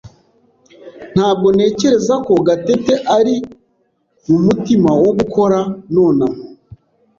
Ntabwo ntekereza ko Gatete ari mumutima wo gukora nonaha.